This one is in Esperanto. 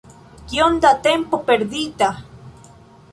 Kiom da tempo perdita!